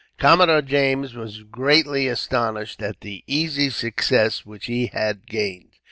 Commodore James was greatly astonished at the easy success which he had gained.